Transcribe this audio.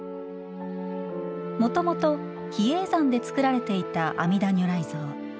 もともと比叡山で造られていた阿弥陀如来像。